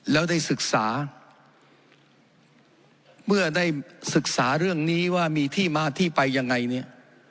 แล้วได้ศึกษาเมื่อได้ศึกษาเรื่องนี้ว่ามีที่มาที่ไปยังไงเนี่ย